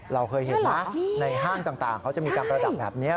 เราเคยเห็นไหมในห้างต่างเขาจะมีการประดับแบบนี้